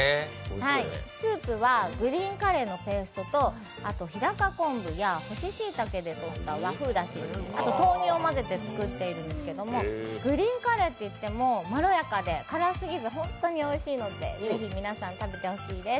スープはグリーンカレーのペーストと日高昆布や干ししいたけでとった和風だしあと豆乳を混ぜて作っているんですけれども、グリーンカレーといっても、まろやかでからすぎず、本当においしいので是非皆さん、食べてほしいです。